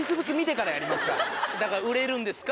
だから「売れるんですか？